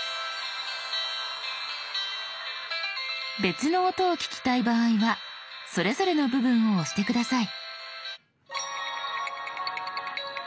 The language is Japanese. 別の音を聞きたい場合はそれぞれの部分を押して下さい。」）」）